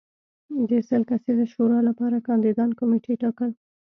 د سل کسیزې شورا لپاره کاندیدان کمېټې ټاکل